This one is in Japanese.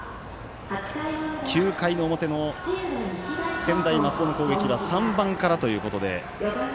９回の表の専大松戸の攻撃は３番からということで。